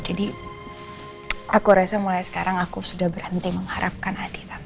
jadi aku rasa mulai sekarang aku sudah berhenti mengharapkan adi tante